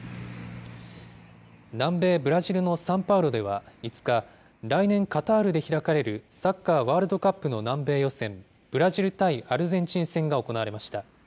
南米ブラジルのサンパウロでは、５日、来年、カタールで開かれるサッカーワールドカップの南米予選、ブラジル対アルゼンチン戦が行われました。